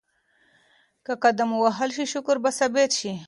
که قدم ووهل شي شکر به ثابت شي.